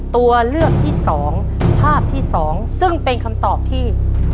ตัวเลือกที่๒ภาพที่๒ซึ่งเป็นคำตอบที่